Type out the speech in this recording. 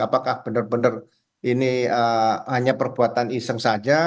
apakah benar benar ini hanya perbuatan iseng saja